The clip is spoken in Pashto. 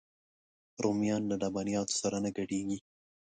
رومیان له لبنیاتو سره نه ګډېږي